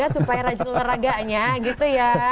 supaya rajin olahraganya gitu ya